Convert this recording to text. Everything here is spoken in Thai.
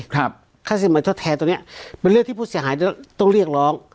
ครับค่าสินใหม่ทดแทนตัวเนี้ยมันเรียกที่พูดเสียหายต้องเรียกร้อง